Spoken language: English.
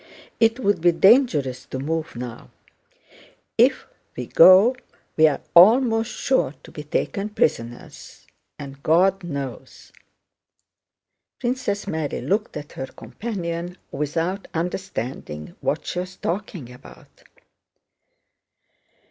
It would be dangerous to move now. If we go we are almost sure to be taken prisoners, and God knows..." Princess Mary looked at her companion without understanding what she was talking about.